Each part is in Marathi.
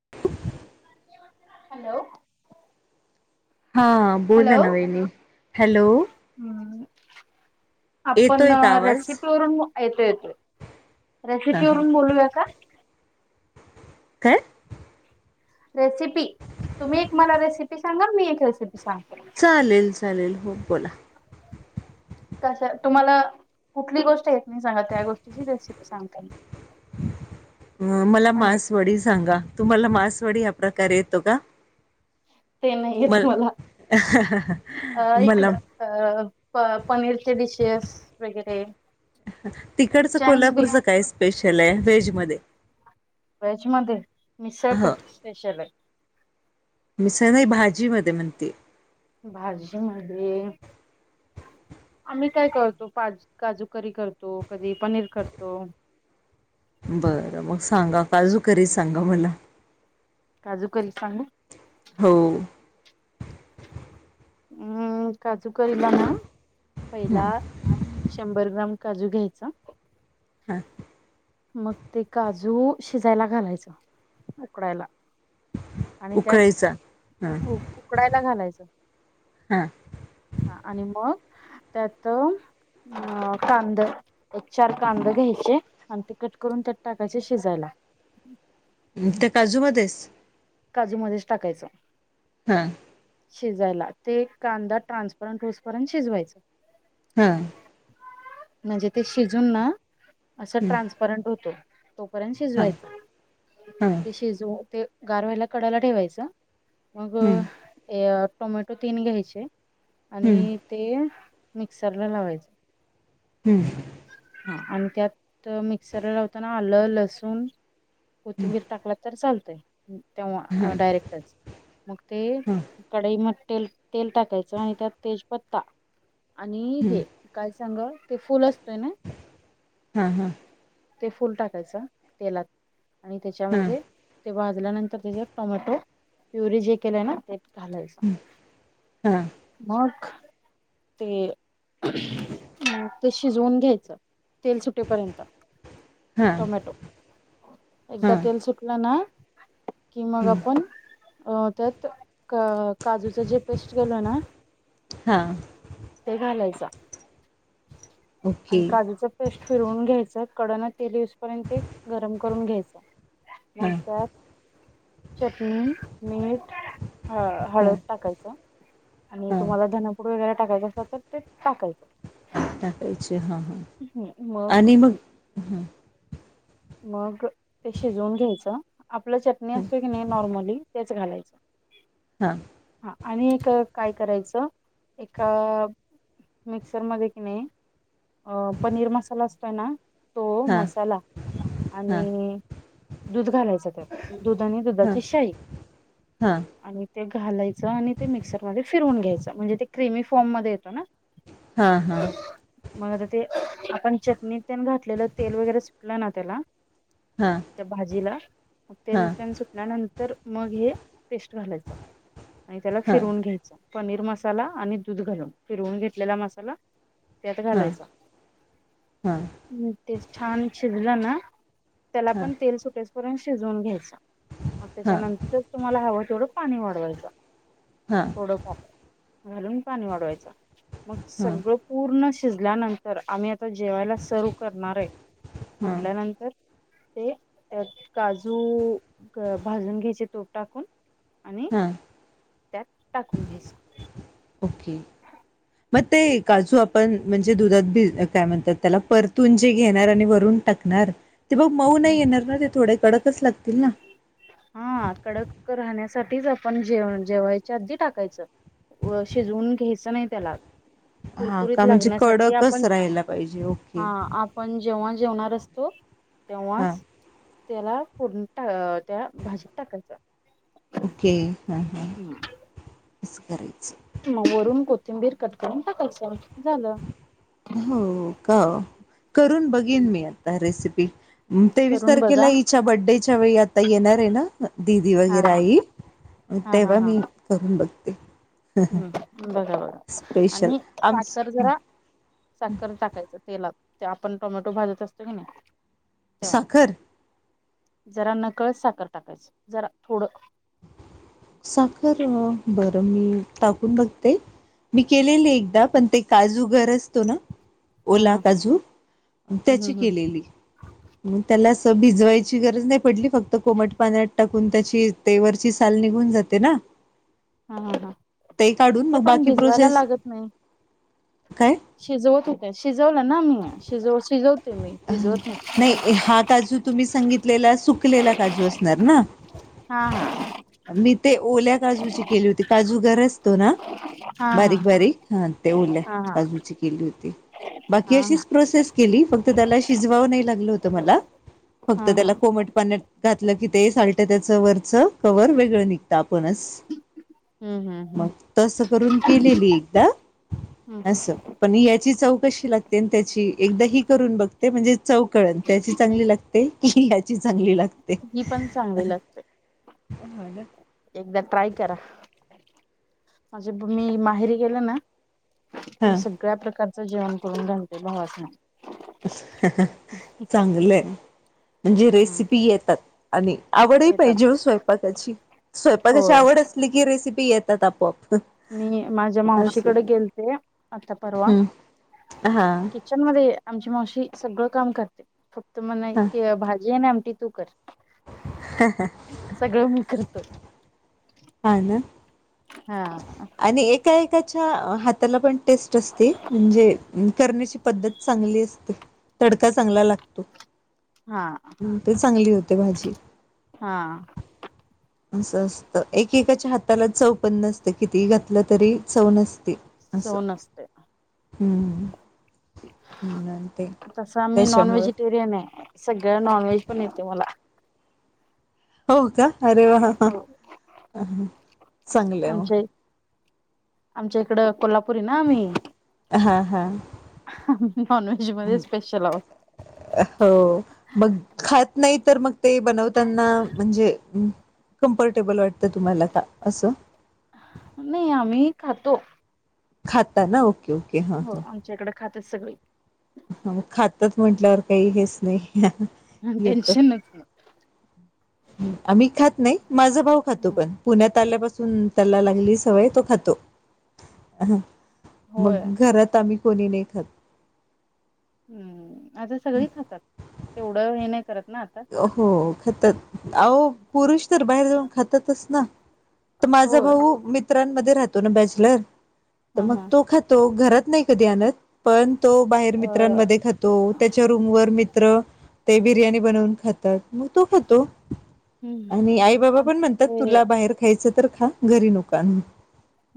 [inaudible] हॅलो हा बोलला न वाहिनी हॅलो हम् आपण येतोय का आवाज रेसिपी वरून येतो येतोय हा रेसिपी हा वरून बोलूया का काय रेसिपी तुम्ही एक मला रेसिपी सांगा मी एक रेसिपी सांगते चालेल चालेल हो बोला कशा तुम्हाला कुठली गोष्ट येत नाही सांगा त्या गोष्टीची रेसिपी सांगता म अ मला मांसवडी सांगा तुम्हाला मसवाडी आप प्रकार येतो का ते नाही आहे मल तुम्हाला अ मला इकडं पनीरचे डिशेस वगैरे तिकडचं चँक्स बी कोल्हापूरच काय स्पेशल आहे व्हेज मध्ये वेज मध्ये मिसळ ह स्पेशल आहे मिसळ नाहीई भाजी मध्ये म्हणते भाजी आम्ही काय करतो पाज काजुकरी करतो कधी पनीर करतो बरं मग सांगा काजू करी सांगा मला काजूकरी सांगू हो हम् का कळला ना ह पहिला शंभर ग्राम काजू घ्यायचा हा मग ते काजू शिजायला घालायचं उकडायला आणि त्यात उकळायचा हा उकडायला घालायचं हा हा आणि मग त्यात अ कांदा एक चार कांद घ्यायचे आण ते कट करून त्यात टाकाचे शिजायला त्या काजूमध्ध्येच काजूमध्येच टाकायचं हा. शिजायला ते कांदा ट्रान्सपरंट रूस परंट शिजवायच ह म्हणजे ते शिजून ना, असं ट्रान्सपरंट होतो. तोपर्यंत हा शिजवायचा हां ते शिजवू ते गार व्हायला कडायला ठेवायचं मग हं यात टोमॅटो तीन घ्यायचे. हं आणि ते मिक्सर ला लावायचं. हम्म. हा आणि त्यात मिक्सरला लावताना आलं लसूण कोथिंबीर टाकला तर चाल ते तेव्हा अ डायरेक्टच मग ते हां कडई तेल तेल टाकायचं आणि त्यात तेजपत्ता. आणि हं हे काय सांग ते फुलच त न हा हा ते फुल टाकायचं तेलात आणि हां त्याच्यामध्ये ते वा गेल्या नंतर त्यात टमॅटो प्युरी जे केल ना. लायच हां मग ते ते शिजवून घ्यायचं तेल सुटेपर्यंत हां टोमॅटो एकदा हां तेल सुटलं ना, कि मग हं अपण अ त्यात क काजूच जे पेस्ट केल ना, हां ते घालायच. ओके आणि काजूच पेस्ट फिरवून घ्यायचं. कडना ते दिसपर्यंत ते गरम करून घ्यायचं. हां मासात चटणी मीठ ह हां हळद टाकायचं आणि हां तुम्हाला धनपूड वगैरे टाकायच असल तर ते टाकायचं. अच्छा हा हा आणि मग हम मग ते शिजवून घ्यायचं आपलं चटणी असे की नाही नॉर्मली तेच घालायचं. हा हा आणि एक काय करायचं एका मिक्सरमध्येध्ये कि नाही पनीर मसाला असतोय ना तो हां मसाला हां आणि दूध घालायच ते दुध आणि हां दुधाची शाही हां आणि ते घालायचं. आणि ते मिक्सरमध्येध्ये फिरवून घ्यायचं. म्हणजे ते क्र्रीमी फॉर्म मध्ये येतो ना हा हा मग आता ते आपण चटणीत प घातलेलं तेल वगैरे टलं ना त्याला हां त्या भाजीला हां तेल हां त्यान सुटल्यानंतर मग हे पेस्ट घालायच आणि त्याला हां फिरवून घ्यायचा पनीर मसाला आणि दूध घालून फिरवून घेतलेला मसाला त्यात घालायचा हां ते छान शिजलं ना त्याला हां हां पण तेल सुटेसपर्यंत शिजवून घ्यायचं मग हां त्याच्यानंतरच तुम्हाला हवं तेवढं पाणी वाढवायचं हां थोडं का घालून पाणी वाढवायच मग हां सगळं पूर्ण शिजल्यानंतर आम्ही आता जेवायला सर्व करणार आहे हां म्हटल्यानंतर ते काजू भाजून घ्यायचे तोप टाकून आणि हा त्यात टाकून घेस ओके मग ते काजू आपण म्हणजे दुधाती काय म्हणतात त्याला परतून जे घेणार आणि वरून टाकणार ते बग मऊ नाही येणार ना ते थोडं कडकच लाग हा कडक राहण्यास साठीच आपण जेव जेवायच्या आधी टाकायचं शिजवून घ्यायचं नाही त्याला हा कुरकुरीत का म्हणजे लागण्यासाठी कडकच आपण राहायला पाहिजे ओके हा आपण जेव्हा जेवणार असतो हा तेवाज त्याला प त्या भाजीत टाकायचं ओके हम हां तस करायच मग वरून कोथिंबीर कट करून टाकायचं झालं. हो का करून बघेन मी आता रेसिपी ह तेवीस करून बघा तारखेला हिच्या बर्डेच्या वेळी आता येणार आहे ना ददी हा वगैरे हा आई हा हा तेव्हा हा मी करून बघ ते हम्म बघाव आणि आमच साखर जरा साखर टाकायचा तेलात ते आपण टोमॅटो भाजत असतो की नाही तेव्हा साखर जरा नकळत साखर टाकायच जरा थोडं साखर बरं मी टाकून बघते मी केलेले एकदा पण ते काजू घर असतो ना हा ओला हा हा काजू हम्म त्याची हम्म केलेली मग त्यालाच भिजवायची गरज नाही पडली फक्त कोमट पाण्यात टाकून त्याची ते वरची साल निघून जाते ना हा ह ह. ते काढून हे मग पण बाकी भिजवायला प्रोसेस लागत नाही काय शिजवत होते, शिजवलं ना मी. हा शिजव शिजवते मी भिजवत नाही हा काजू तुम्ही सांगितलेला सु सुकलेला काजू असणार ना, हा मी ते ओल्या काजूची केली होती काजू गर असतो ना हा हा बारीक बारीक हा ते ओल्या हा हा काजूची केली होती होती. बाकी हा हा अशीच प्रोसेस केली फक्त तर त्याला शिजवावं नाही लागलं होत मला, फक्त हा हा त्याला कोमट पाण्यात घातलं की ते सालट त्याच वरचं कवर वेगळं निघत हम्म हम्म हम्म म तस करून केलेली एकदा हम्म हम्म अस पण या चौव कशी लागते त्याची एकदा ही करून बघते म्हणजे चौव कळल त्याची चांगली लागते, की याची चांगली लागते. ही पण चांगली लागते. ह ना. एकदा ट्राय करा, माझे मी माहेरी गेले ना मी हा सगळ्या प्रकार जेवण करून घणते भावाच नाही चांगलंय म्हणजे हम्म रेसिपी येतात आणि आवड ही येतात पाहिजे स्वयंपाकाची स्वयंपाकाची होय आवड असली की रेसिपी पी येतात आपोआप मी माझ्या असं मावशीकडे गेलते आता परवा हम्म हा किचन मध्ये आमची मावशी सगळं काम करते फक्त तुमी हा म्हणा भाजी आहे ती तू कर. सगळं म करत. ह [inaudible] ह ना. हा. त्याच्या हाताला पण टेस्ट असते म्हणजे करण्याची पद्धत चांगली असते. तडका चांगला लागतो. हा ते चांगली होते भाजी. हा असं असतं एकेकाच्या हाताला चौव पण नसते किती घातलं तरी चौव नसते. चौव असं नसते. हम्म. ते तस मी नॉन त्याच्यामुळं वहेजिटेरियन आहे सगळं... नॉन व्हेज पण येते मला. हो का अरे वा हो चांगलं मग... आमच्या आमच्या इकड कोल्हापूर... हा हा आम्ही नॉनव्हेज मध्ये स्पेशल आहोत. हो मग ख... नाही तर मग... ते बनवताना म्हणजे... कम्फर्टेबल वाटतं तुम्हाला का असं... नाही आम्ही खातो. खात ना... क्यओके हां हो हां. आमच्या इकडे खातात सगळी.. ह मग खातात म्हटल्यावर काही हेच नाही. ह येत टेनशन नच. आम्ही खात नाही. माझं भाऊ खातो ह पण पुण्यात.. त्याल्यापासून त्याला लागली सवय तो खातो ह... होय. मग घरात आम्ही... कोणी लेखात.. ह [inaudible] आता सगळी खातात तेवढं ये नाही. करत ना आता. हो खत आ... पुरष बाहेर जाऊन खातात ना, तर माझा होय भाऊ मित्रांमध्ये राह ो ना बॅचलर तर हा मग हा. तो खातो. घरात नाही कधी आणत, पण तो बाहेर अ मित्रांमध्ये खातो. त्याच्या रूम वर मित्र ते बिर्याणी बनून खातात, मग तो खातो. हम्म आणि आई बाबा पण म्हणतात, आमचे तुला बाहेर खायचं तर खा घरी नको आनु.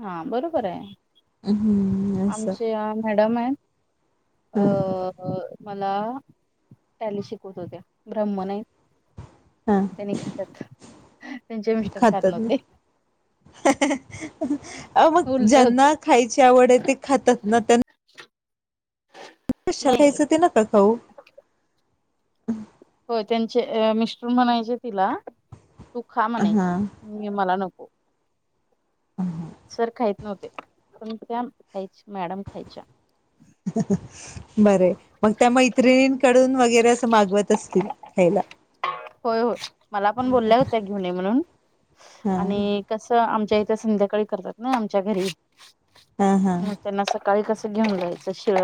हा बरोबर आहे. हम्म असं आमच्या मॅडम आहेत अ हा अ मला टॅली शिकवत होत्या ब्रह्मण हाईत. हा त्यांनी खातात, त्यांचे मिस्टर खात खातात ना नव्हते. अ मग उलट होत. ज्यांना खायची आवड आहे, ते खातात ना त्यांना कशाला नाही घ्यायचं ते [unintelligible] हो हम्. हो. त्यांचे मिस्टर म्हणायचे तिला तु खा हा म्हणाचे! मी मला नको. हम. सर खायत नव्हते, पण त्या खायच्या मॅडम खायच्या. बरे! मग त्या मैत्रिणींकडून वगैरे असं मागवत असतील ख्यायला? होय होय मला पण बोलल्या होत्या घेऊन ये म्हणून, हा आणि कस आमच्या इ संध्याकाळी करतात ना आमच्या घरी. ह ह. काळी कसं घेऊन जायचं शिळ.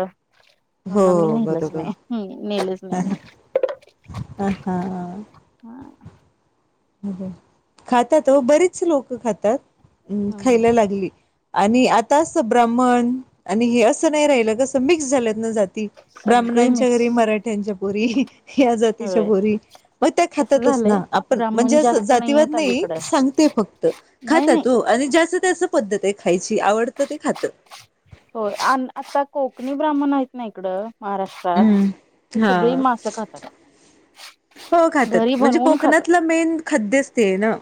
हो म्हणून आम्ही नेलंच बरोबर नाही हम्म नेलंच नाही मग हा हा. अ खातात ओ! बरीच लोक खातात. हम् हम्म खायला लागली. आणि आता असं ब्राह्मण आणि हे असं नाही राहिलं, कसं मिक्स झाल्यात ना जात सगळी ब्राहमणांच्या मिक्स घरी मराठ्यांच्या पोरी या जातीच्या होय पोरी मग त्या कसं खातातच झालंय ना. आपण ब्राह्मण म्हणजे अस जास्त जातीवाद नाहीयेत नाही, अलीकडं सांगते फक्त, नाही नाही खातात हो आणि ज्याचं त्याचं पद्धत खायची, आवडत ते खातं होय आण आता कोकणी ब्राह्मण आहेत ना इकडं महाराष्ट्रात हम् ते हा सगळी मासं खातात हो खातात घरी म्हणजे बनवून खातात कोकणातला मेन खाद्यच ते ना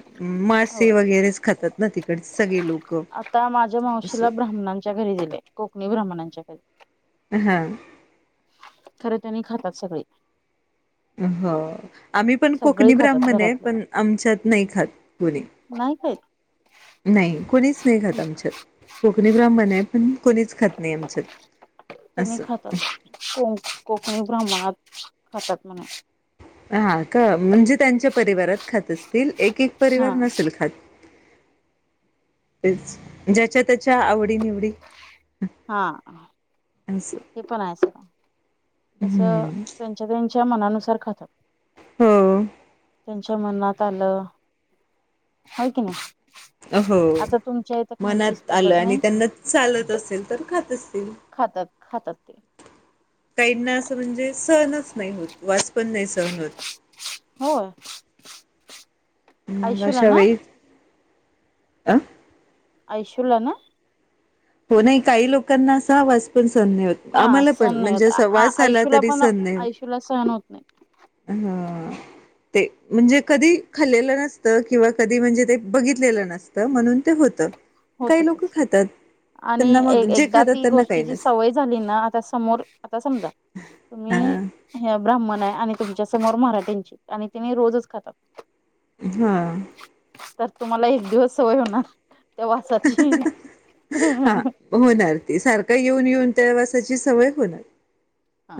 मासे होय वगैरेच खातात ना तिकड सगळे लोक आता माझ्या मावशीला ब्राह्मणांच्या घरी दिले कोकणी ब्राह्मणांच्याकडे हम् खर कणी खातात सगळे हो आम्ही पण कोकणी खातात ब्राह्मण आहे घरातले पण आमच्यात नाही खात कोणी. नाही खात नाही, कोणीच नाही खात आमच्यात. कोकणी ब्राह्मण आहे पण कोणीच तज्ञांच त्यांनी असं खातात को कोकणी ब्राह्मणात, खातात म्हणे हा का, म्हणजे त्यांच्या परिवारात खात असतील एक एक हा परिवार नसेल खात. तेच ज्याच्या त्याच्या आवडी निवडी हा, असं ते पण आहेच कस हम्म त्यांच्या त्यांच्या मनान सारखाच हो त्यांच्या मनात आलं, आहे की नाही अ हो आता तुमच्या इथं खायचीच मनात आलं पद्धत आणि नाही त्यांना चालत असेल तर खात असतील खातात खातात ते काहींना असं म्हणजे सहनच नाही होत वास पण नाही सहन होत होय आयशूला मगाशा ना वेळी का? ऐशुला ना? हो नाही, काही लोकांना असा वास पण सहन नाही होत. हा आम्हाला पण सहन नाही म्हणजे होत वास आला आयशूला तरी पण सहन नाही होत आयशूला सहन होत नाही हा ते म्हणजे कधी खाल्लेलं नसतं किंवा कधी म्हणजे ते बघितलेलं नसतं म्हणून ते होतं होत काही लोक तस खातात. आणि त्यांना मग एक जे एकदा खातात ती त्यांना काही गोष्टीची नसतं सवय झाली ना आता समोर आता समजा तुम्ही हा हे आता मलाही आणी तुमच्यासमोर मराठ्यांची आम्ही किनई रोजच खातात हा तर तुम्हाला एक दिवस सवय होणार त्या वासाची हा हम्म होणार, ती सारखा येऊन येऊन, त्या वासाची सवय ह [unintelligible]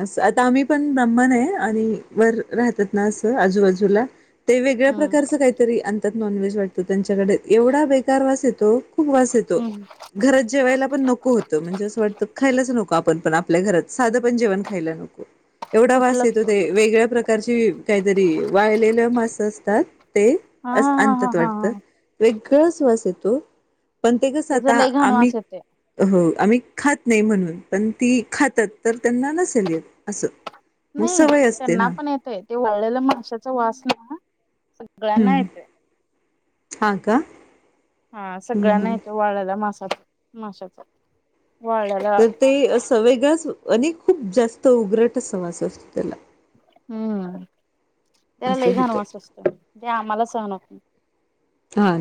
असं आता आम्ही पण दमानं आहे आणि वर राहतात ना असं आजूबाजूला ते वेगळ्या प्रकारचं काहीतरी नॉनव्हेज वाटतं त्यांच्याकडे एवढा बेकार वास येतो खूप वास येतो हम्म घरात जेवायला पण नको होतं म्हणजे असं वाटतं खायलाच नको आपण आपल आपल्या घरात साधं पण जेवण खायला नको एवढा वास कुठलं येतो ते वेगळ्या प्रकारची काहीतरी वाळलेल्या मासे असतात ते हा हा हा आणतात हा वाटत हा वे किळस वास येतो पण ते कसं त्याचा आता लई घाण आम्ही वास येतोय हो आम्ही खात नाही, म्हणून पण ती खातात तर त्यांना नसे ल [unintelligible] असं नाही असते त्यांना ना पण येतय ते वळलेलं माशाच वासलं सगळ्यांना हम्म येतोय. हा का? हा हम्म सगळ्यांना हम्म येतो वाळ्याला मास [unintelligible] माशाच तर ते असं वेगळंच आणि खूप जास्त उग्रट असा वास असतो त्याला हम्म त्याला लई असं घाण होतं वास आसतो ते आम्हाला सहन होत नाही. हाय